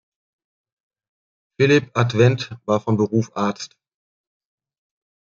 Filip Adwent war von Beruf Arzt.